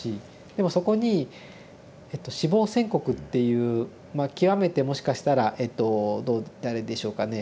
でもそこに死亡宣告っていうまあ極めてもしかしたらえと誰でしょうかね